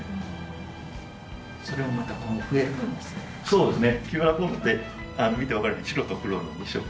そうですね。